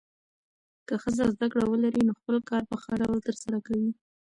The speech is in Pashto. که ښځه زده کړه ولري، نو خپل کار په ښه ډول ترسره کوي.